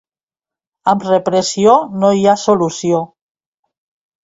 Amb repressió no hi ha solució.